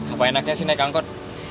apa enaknya sih naik angkot